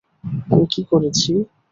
আমি কী করেছি?